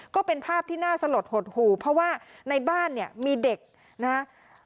ก็เป็นภาพที่น่าสลดหดหู่เพราะว่าในบ้านเนี่ยมีเด็กนะครับ